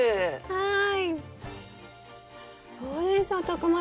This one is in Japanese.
はい。